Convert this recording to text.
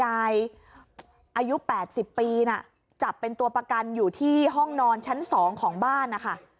อายุ๘๐ปีน่ะจับเป็นตัวประกันอยู่ที่ห้องนอนชั้น๒ของบ้านนะคะ